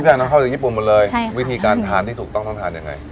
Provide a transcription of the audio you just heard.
อยากนำเข้าจากญี่ปุ่นหมดเลยวิธีการทานที่ถูกต้องต้องทานยังไง